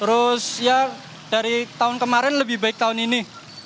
terus ya dari tahun kemarin lebih baik tahun ini